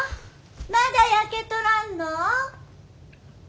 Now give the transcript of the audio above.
まだ焼けとらんの？